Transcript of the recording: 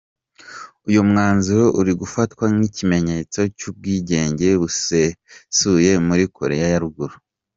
Uyu mwanzuro uri gufatwa nk’ikimenyetso cy’ubwigenge busesuye muri Koreya ya Ruguru.